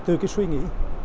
từ cái suy nghĩ